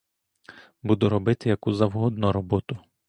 Буду робити яку завгодно роботу.